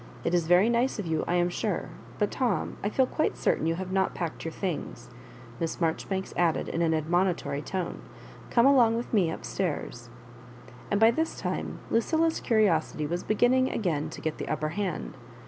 It is very nice of you, I am sure ; but, Tom, I feel quite certain you have not packed your things," Miss Marjoribanks add ed, in an admonitory tone. " Come along with me up stairs." And by this time Lucilla's curiosity was be ginning again to get the upper hand.